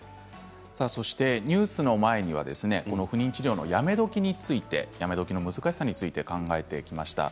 ニュースの前には不妊治療のやめ時についてやめ時の難しさについて考えてきました。